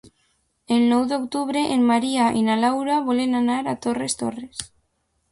El nou d'octubre en Maria i na Laura volen anar a Torres Torres.